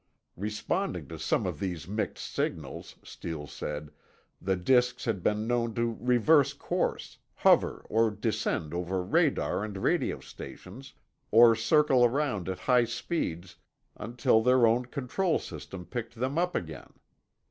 Responding to some of these mixed signals, Steele said, the disks had been known to reverse course, hover or descend over radar and radio stations, or circle around at high speeds until their own control system picked them up again.